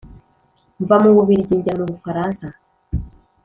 Mva mu Bubiligi njya mu Bufaransa